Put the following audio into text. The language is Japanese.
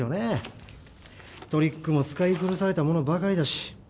トリックも使い古されたものばかりだし。